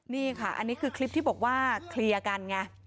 นี่ค่ะอันนี้คือคลิปที่บอกว่าเคลียร์กันไง